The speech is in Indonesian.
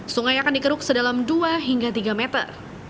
sungai akan dikeruk sedalam dua hingga tiga meter